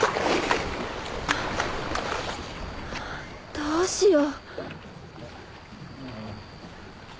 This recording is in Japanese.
どうしよう。